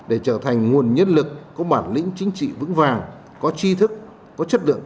để trở thành nguồn nhất lực có bản lĩnh chính trị vững vàng có chi thức